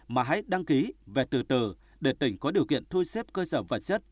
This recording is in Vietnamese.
mà hãy đăng ký về từ từ để tỉnh có điều kiện thôi xếp cơ sở vật chất